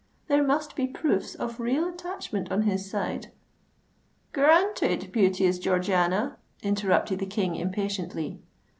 There must be proofs of real attachment on his side——" "Granted, beauteous Georgiana," interrupted the King impatiently.